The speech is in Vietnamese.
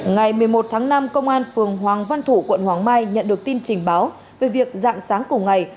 ngày một mươi một tháng năm công an phường hoàng văn thủ quận hoàng mai nhận được tin trình báo về việc dạng sáng cùng ngày